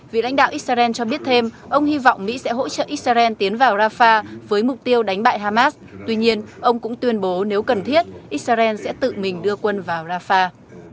vị lãnh đạo israel cho biết thêm ông hy vọng mỹ sẽ hỗ trợ israel tiến vào rafah với mục tiêu đánh bại hamas tuy nhiên ông cũng tuyên bố nếu cần thiết israel sẽ tự mình đưa quân vào rafah